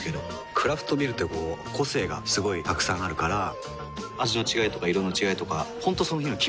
クラフトビールってこう個性がすごいたくさんあるから味の違いとか色の違いとか本当その日の気分。